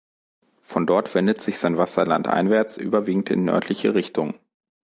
Von dort wendet sich sein Wasser landeinwärts überwiegend in nördliche Richtungen.